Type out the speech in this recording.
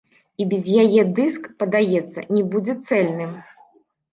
І без яе дыск, падаецца, не будзе цэльным.